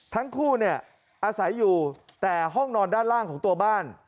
ทั้งคู่เนี่ยอาศัยอยู่แต่ห้องนอนด้านล่างของตัวบ้าน